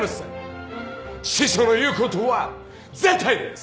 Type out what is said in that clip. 師匠の言うことは絶対です！